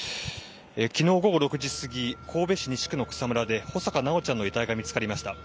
昨日午後６時すぎ神戸市西区の草むらで穂坂修ちゃんの遺体が見つかりました。